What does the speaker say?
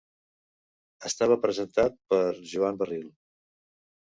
Estava presentat per Joan Barril.